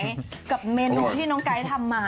กับเมนูที่น้องไก๊ทำมา